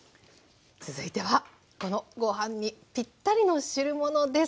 続いてはこのご飯にぴったりの汁物です。